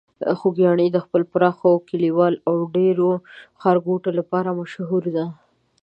خوږیاڼي د خپلو پراخو کليو او ډیرو ښارګوټو لپاره مشهور ده.